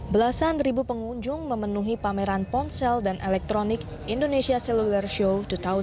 belasan ribu pengunjung memenuhi pameran ponsel dan elektronik indonesia celular show dua ribu dua puluh